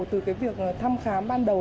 từ việc thăm khám ban đầu